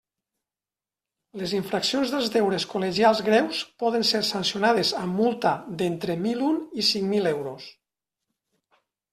Les infraccions dels deures col·legials greus poden ser sancionades amb multa d'entre mil un i cinc mil euros.